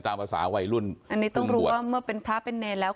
ตามภาษาวัยรุ่นอันนี้ต้องรู้ว่าเมื่อเป็นพระเป็นเนรแล้ว